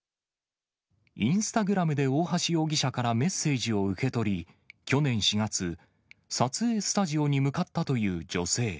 インスタグラムで大橋容疑者からメッセージを受け取り、去年４月、撮影スタジオに向かったという女性。